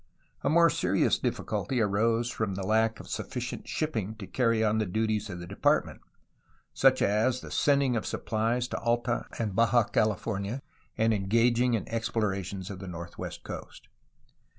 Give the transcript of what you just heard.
A more serious difficulty arose from the lack of sufficient shipping to carry on the duties of the Department, such as the sending of suppHes to Alta and Baja California and engaging in explorations of the northwest coast.